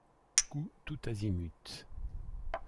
Coups tout azimut.